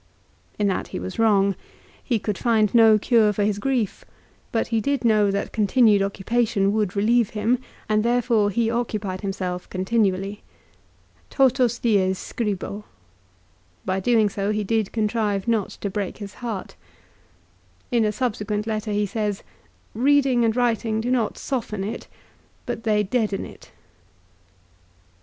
In that he was wrong. He could find no cure for his grief; but he did know that continued occupation would relieve him, and therefore he occupied himself continually. " Totos dies scribo. " By 1 Ad Att. xii. 14. MARCELLUS, LIGARIUS, AND DEIOTARUS. 191 doing so he did contrive not to break his heart. In a sub sequent letter he says, " Reading and writing do not soften it ; but they deaden it."